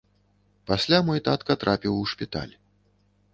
Пасля мой татка трапіў у шпіталь.